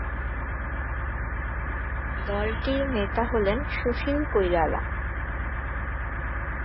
দলটির নেতা হলেন সুশীল কইরালা।